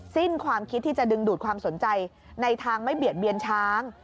สิ้นความคิดที่จะดึงดูดความสนใจในทางไม่เบียดเบียนช้าง